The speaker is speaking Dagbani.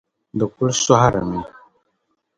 di kul sɔhirimi.